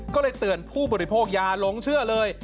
ก็เลยเตือนผู้บริโภคอย่าหลงเชื่อเลย